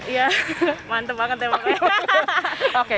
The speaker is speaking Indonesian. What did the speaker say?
ya mantep banget ya